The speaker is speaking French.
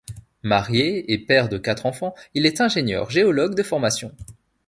Marié et père de quatre enfants, il est ingénieur géologue de formation.